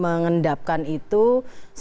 sebelum diambil keputusan